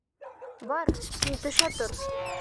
— Бар, һин төшә тор.